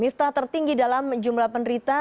miftah tertinggi dalam jumlah penderita